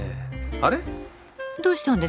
あれ？